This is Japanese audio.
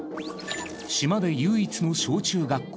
島で唯一の小中学校。